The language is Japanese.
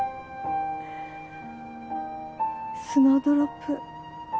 スノードロップ